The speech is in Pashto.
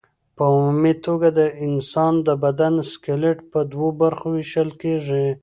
په عمومي توګه د انسان د بدن سکلېټ په دوو برخو ویشل کېږي.